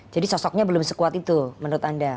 jadi sosoknya belum sekuat itu menurut anda